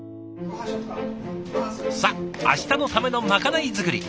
さあ明日のためのまかない作り。